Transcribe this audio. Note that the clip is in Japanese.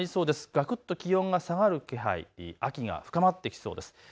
がくっと気温が下がる気配、秋が深まってきそうです。